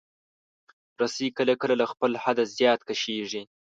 رسۍ کله کله له خپل حده زیات کشېږي.